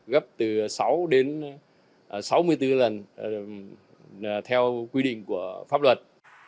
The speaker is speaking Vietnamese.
gấp từ sáu tỷ đồng